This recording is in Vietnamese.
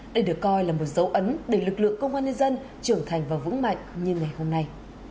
đây được coi là một dấu ấn để lực lượng công an nhân dân trưởng thành và vững mạnh như ngày hôm nay